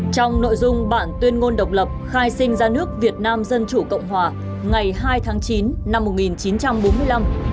trong nội dung bản tuyên ngôn độc lập khai sinh ra nước việt nam dân chủ cộng hòa ngày hai tháng chín năm một nghìn chín trăm bốn mươi năm